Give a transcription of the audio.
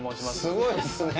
すごいっすね。